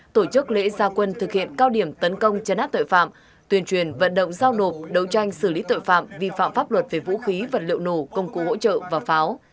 tổ chức lễ gia quân thực hiện cao điểm tấn công chấn áp tội phạm tuyên truyền vận động giao nộp đấu tranh xử lý tội phạm vi phạm pháp luật về vũ khí vật liệu nổ công cụ hỗ trợ và pháo